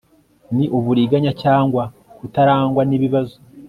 n uburiganya cyangwa kutarangwa n ibibazo